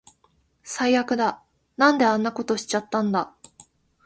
最悪だ。なんであんなことしちゃったんだ